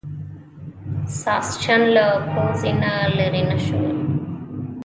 ساسچن له پوزې نه لرې نه شول.